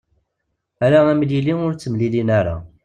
Ala amlili ur ttemlilin ara.